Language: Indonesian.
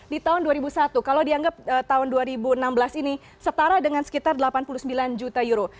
di tahun dua ribu satu kalau dianggap tahun dua ribu enam belas ini setara dengan sekitar delapan puluh sembilan juta euro